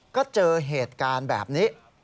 ก็เจอเหตุการณ์แบบนี้